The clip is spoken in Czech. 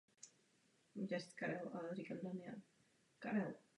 Zajisté nemůžeme.